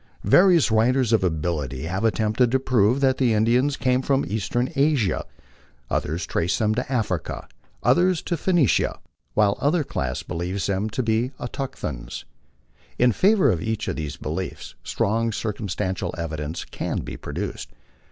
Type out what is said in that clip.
Va rious writers of ability have attempted to prove that the Indians came from eastern Asia ; others trace them to Africa, others to PhoGnicia, while another class believes them to be autochthones. In favor of each of these beliefs strong circumstantial evidence can be produced.